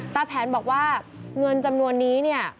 ตาแผนบอกว่าเงินจำนวนนี้